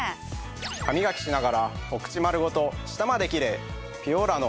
ハミガキしながらお口丸ごと舌までキレイ！